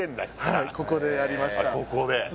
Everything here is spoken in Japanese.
はいここでやりました